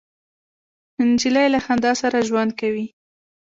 نجلۍ له خندا سره ژوند کوي.